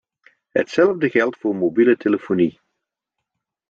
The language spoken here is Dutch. Hetzelfde geldt voor mobiele telefonie.